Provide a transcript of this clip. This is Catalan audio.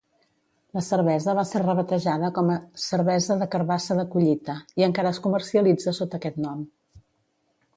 La cervesa va ser rebatejada com a "cervesa de carbassa de collita" i encara es comercialitza sota aquest nom.